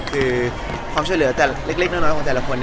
คือความช่วยเหลือแต่เล็กน้อยของแต่ละคน